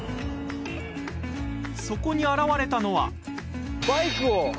そこに現れたのは。